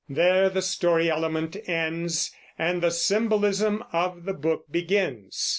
There the story element ends, and the symbolism of the book begins.